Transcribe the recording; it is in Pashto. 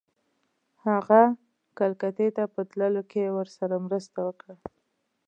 هغه کلکتې ته په تللو کې ورسره مرسته وکړه.